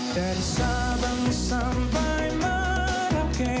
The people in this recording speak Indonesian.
dari sabang sampai merauke